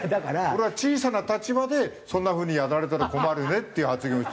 俺は小さな立場でそんな風にやられたら困るねっていう発言をして。